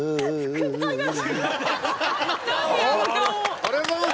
ありがとうございます。